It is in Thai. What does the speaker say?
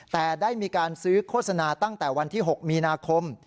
แต่ได้มีการซื้อโฆษณาตั้งแต่วันที่๖มีนาคม